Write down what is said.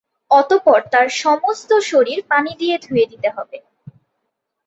অতঃপর তার সমস্ত শরীর পানি দিয়ে ধুয়ে দিতে হবে।